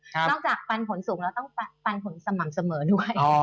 จากปันผลสูงแล้วต้องปันผลสม่ำเสมอด้วย